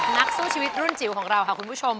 นักสู้ชีวิตรุ่นจิ๋วของเราค่ะคุณผู้ชม